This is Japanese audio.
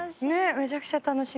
めちゃくちゃ楽しみ。